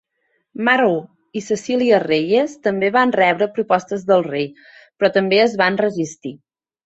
Marrow i Cecilia Reyes també van rebre propostes del Rei, però també es van resistir.